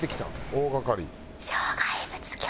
大掛かり。